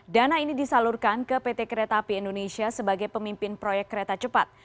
dana ini disalurkan ke pt kereta api indonesia sebagai pemimpin proyek kereta cepat